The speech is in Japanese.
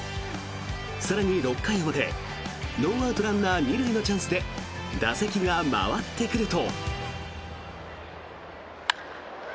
更に、６回表ノーアウト、ランナー２塁のチャンスで打席が回ってくると。